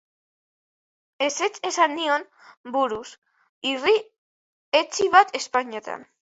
Ezetz esan nion buruz, irri etsi bat ezpainetan.